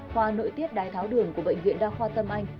khoa nội tiết đái tháo đường của bệnh viện đa khoa tâm anh